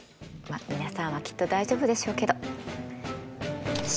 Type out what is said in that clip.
まっ皆さんはきっと大丈夫でしょうけど。